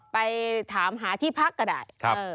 ไปถามหาที่พักก็ได้